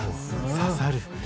刺さる。